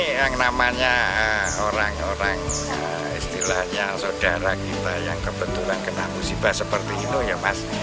ini yang namanya orang orang istilahnya saudara kita yang kebetulan kena musibah seperti itu ya mas